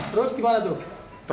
terus gimana tuh